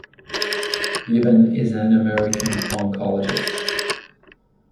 Given is an American oncologist.